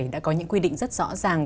đã có những quy định rất rõ ràng